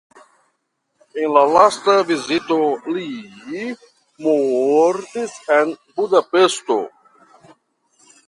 En la lasta vizito li mortis en Budapeŝto.